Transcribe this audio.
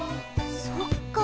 そっか。